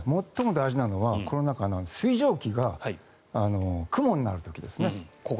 最も大事なのは水蒸気が雲になる時ですね。